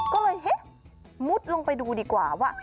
ก็เลยเฮ้มุดลงไปดูดีกว่าว่า